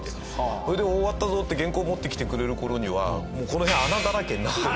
それで「終わったぞ」って原稿を持ってきてくれる頃にはもうこの辺穴だらけになってる。